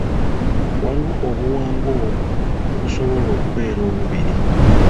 Waliwo obuwango obwo lwe busobola okubeera obubiri.